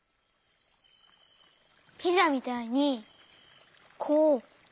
ピザみたいにこうわける？